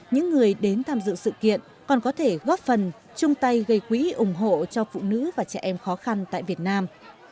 những người đến tham dự sự kiện còn có thể góp phần chung tay gây quỹ ủng hộ cho phụ nữ và trẻ em khó khăn tại việt nam